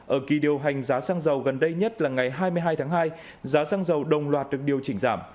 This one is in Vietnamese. ở kỳ điều hành giá xăng dầu gần đây nhất là ngày hai mươi hai tháng hai giá xăng dầu đồng loạt được điều chỉnh giảm